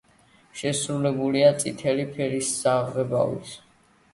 შესრულებულია წითელი ფერის საღებავით.